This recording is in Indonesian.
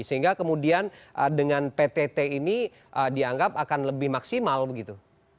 sehingga kemudian dengan ptt ini dianggap akan lebih maksimal begitu